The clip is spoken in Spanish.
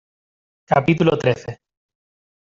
capítulo trece.